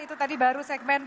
itu tadi baru segmen